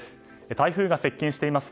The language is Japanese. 台風が接近しています